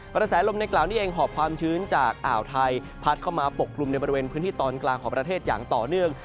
กระแสลมในกล่าวนี้เองหอบความชื้นจากอ่าวไทยพัดเข้ามาปกกลุ่มในบริเวณพื้นที่ตอนกลางของประเทศอย่างต่อเนื่อง